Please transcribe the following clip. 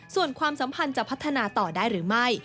ส่วนความสัมพันธ์จะพัฒนาต่อได้หรือไม่